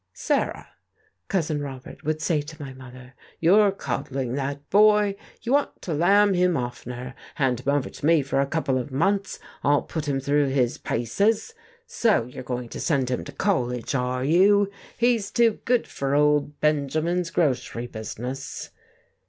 "Sarah," Cousin Robert would say to my mother, "you're coddling that boy, you ought to lam him oftener. Hand him over to me for a couple of months I'll put him through his paces.... So you're going to send him to college, are you? He's too good for old Benjamin's grocery business."